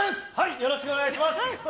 よろしくお願いします。